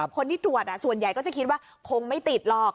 คนที่ตรวจส่วนใหญ่ก็จะคิดว่าคงไม่ติดหรอก